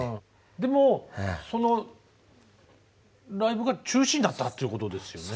でもそのライブが中止になったということですよね。